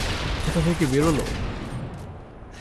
কোথা থেকে বেরোল?